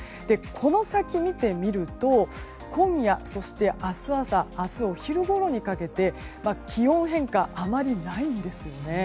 この先見てみると今夜、そして明日朝明日お昼ごろにかけて気温変化、あまりないんですね。